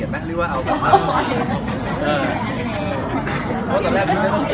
งานทัพเราก็บอกว่า